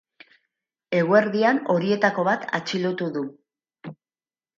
Eguerdian, horietako bat atxilotu du.